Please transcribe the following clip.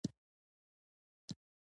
لیکلو کې پر مستندو آثارو تکیه وکړي.